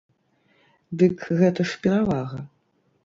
Дык гэта ж перавага!